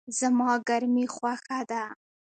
زما ګرمی خوښه ده